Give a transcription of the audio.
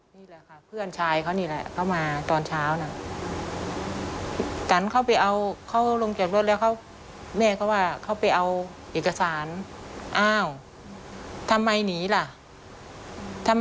แม่ถ้าตั๋นเป็นอะไรไปอย่าว่าผมนะถ้าตั๋นไม่กลับมา